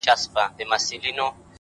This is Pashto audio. • راسه د يو بل اوښکي وچي کړو نور ـ